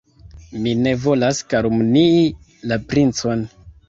Mi ne volas kalumnii la princon.